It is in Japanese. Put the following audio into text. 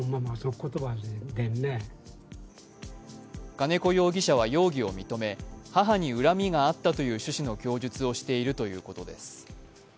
金子容疑者は容疑を認め母に恨みがあったという趣旨の供述をしているということです。